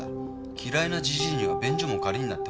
嫌いなじじいには便所も借りんなって